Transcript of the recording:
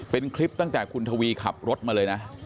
เป็นคลิปตั้งแต่คุณทวีขับรถมาเลยนะ